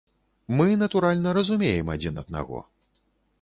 Мы, натуральна, разумеем адзін аднаго.